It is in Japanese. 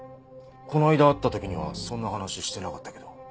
この間会った時にはそんな話してなかったけど。